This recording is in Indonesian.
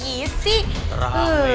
terang nih itu